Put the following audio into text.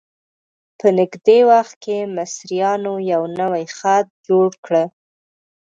په نږدې وخت کې مصریانو یو نوی خط جوړ کړ.